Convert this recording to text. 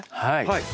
はい。